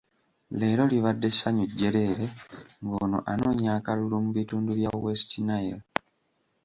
Leero libadde ssanyu jjereere ng'ono anoonya akalulu mu bitundu bya West Nile.